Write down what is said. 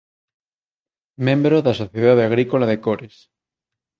Membro da Sociedade Agrícola de Cores.